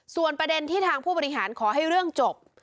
ส่วนประเด็นที่ทางผู้บริหารขอให้เรื่องจบ